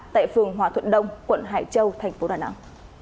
tại phường hòa thuận đông quận hải châu tp đà nẵng